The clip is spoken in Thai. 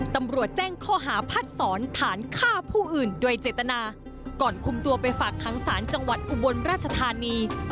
ตำรวจแจ้งข้อหาพัดสอนฐานฆ่าผู้อื่นโดยเจตนาก่อนคุมตัวไปฝากค้างศาลจังหวัดอุบลราชธานี